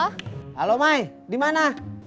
halo mai dimana